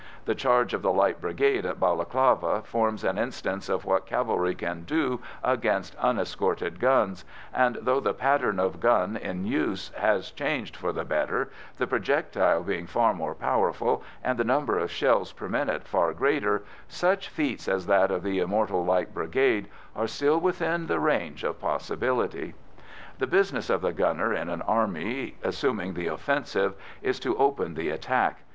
The charge of the Light Brigade at Balaclava forms an instance of what cavalry can do against unescorted guns, and, though the pattern of gun in use has changed for the better, the projectile being far more powerful, and the number of shells per minute far greater, such feats as that of the immortal Light Brigade are still within the range of possibility. The business of the gunner in an army assuming the offensive is to open the attack.